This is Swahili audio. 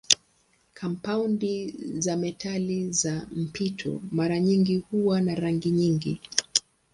Kampaundi za metali za mpito mara nyingi huwa na rangi nyingi.